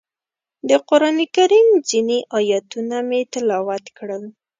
د قرانکریم ځینې ایتونه مې تلاوت کړل.